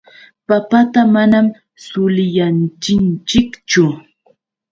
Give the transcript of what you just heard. Papata manam suliyachinchikchu.